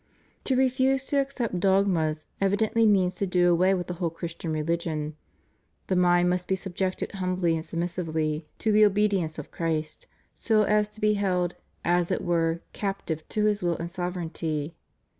To refuse to accept dogmas evidently means to do away with the whole Christian religion. The mind must be subjected humbly and submissively to the obedience of ^ John xvii. 8. 472 CHRIST OUR REDEEMER. Christ, so as to be held, as it were, captive to His will and sovereignty.